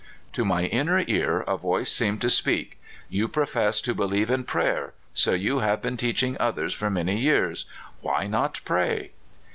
To my inner ear a voice seemed to speak: "You profess to believe in prayer; so you have been teaching others for man}^ years ; why not pray?"